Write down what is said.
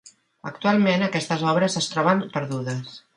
Actualment, aquestes obres es troben perdudes.